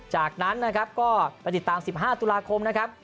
จากนั้นนะครับก็ไปติดตาม๑๕ตุลาคมนะครับ